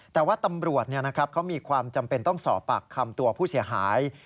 แต่ว่าตำรวจเขามีความจำเป็นต้องสอบปากคำตัวผู้เสียหาย